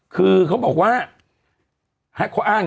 คือเขาบอกว่า